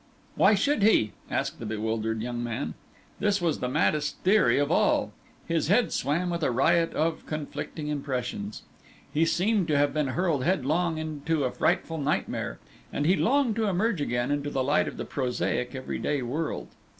"Why should he?" asked the bewildered young man. This was the maddest theory of all. His head swam with a riot of conflicting impressions. He seemed to have been hurled headlong into a frightful nightmare, and he longed to emerge again into the light of the prosaic, everyday world.